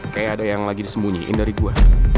kayak ada yang lagi disembunyiin dari gua